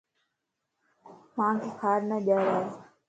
مانک کار نه ڄارائي